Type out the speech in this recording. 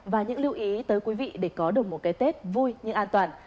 và những lưu ý tới quý vị để có được một cái tết vui nhưng an toàn